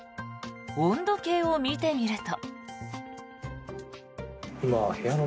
温度計を見てみると。